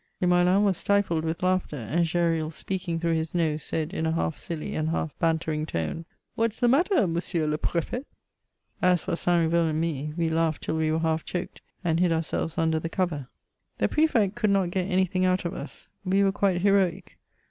lamoelan was stifled with laughter, and Gesnl speaking through his nose, said in a half silly and half ban tering tone :" What's the matter, M. le Piefet V As for St. Blveul and me — we laughed till we were half choaked, and hid ourselves under the cover. The Pr^eet could not get an3rt]ung out of us ; we were quite heroic.